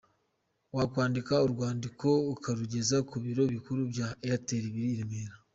Wakandika urwandiko ukarugeza ku biro bikuru bya Airtel biri i Remera.